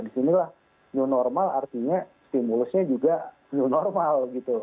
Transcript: di sinilah new normal artinya stimulusnya juga new normal